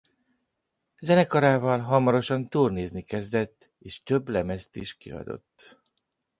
Zenekarával hamarosan turnézni kezdett és több lemezt is kiadott.